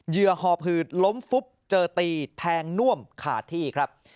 เหยื่อหอผืดล้มฟุบเจอตีแทงน่วมขาดที่ครับ